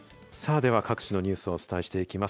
では、各地のニュースをお伝えしていきます。